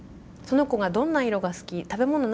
その子がどんな色が好き食べ物